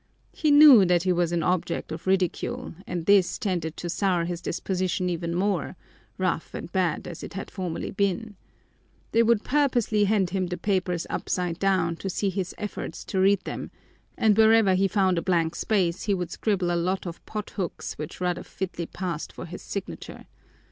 He knew that he was an object of ridicule and this tended to sour his disposition even more, rough and bad as it had formerly been. They would purposely hand him the papers upside down to see his efforts to read them, and wherever he found a blank space he would scribble a lot of pothooks which rather fitly passed for his signature.